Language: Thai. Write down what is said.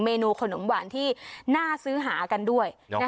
นูขนมหวานที่น่าซื้อหากันด้วย